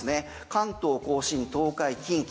関東・甲信、東海、近畿